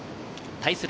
対する